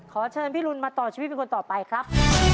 ขอเชิญพี่รุนมาต่อชีวิตเป็นคนต่อไปครับ